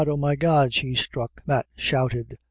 oh, my God ! she's struck," Matt shouted.